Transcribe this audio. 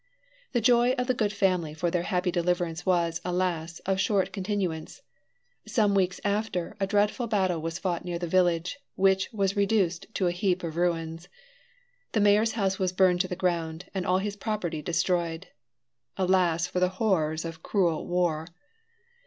The joy of the good family for their happy deliverance was, alas! of short continuance. Some weeks after, a dreadful battle was fought near the village, which was reduced to a heap of ruins. The mayor's house was burned to the ground and all his property destroyed. Alas for the horrors of cruel war!